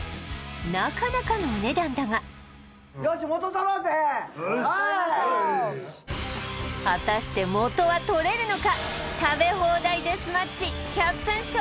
なかなかのお値段だが果たして元は取れるのか？